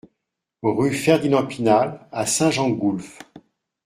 Rue Fernand Pinal à Saint-Gengoulph